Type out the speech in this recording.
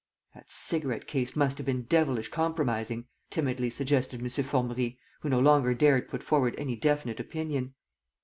"That cigarette case must have been devilish compromising!" timidly suggested M. Formerie, who no longer dared put forward any definite opinion.